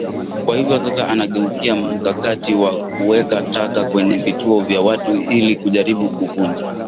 Kwa hivyo sasa anageukia mkakati wa kuweka taka kwenye vituo vya watu ili kujaribu kuvunja